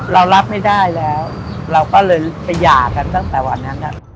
เรารับไม่ได้แล้วเราก็เลยไปหย่ากันตั้งแต่วันนั้น